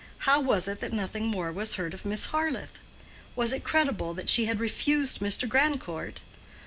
How was it that nothing more was heard of Miss Harleth? Was it credible that she had refused Mr. Grandcourt?